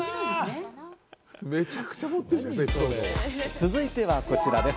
続いてはこちらです。